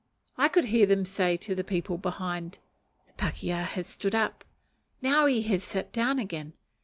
I could hear them say to the people behind, "The pakeha has stood up!" "Now he has sat down again!"